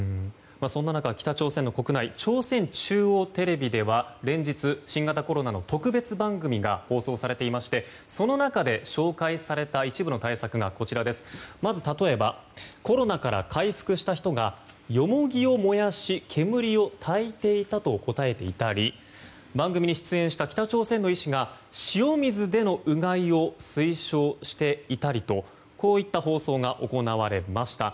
そんな中、北朝鮮の国内朝鮮中央テレビでは連日、新型コロナの特別番組が放送されていてその中で紹介された一部の対策が例えばコロナから回復した人がヨモギを燃やし煙をたいていたと答えていたり番組に出演した北朝鮮の医師が塩水でのうがいを推奨していたりとこういった放送が行われました。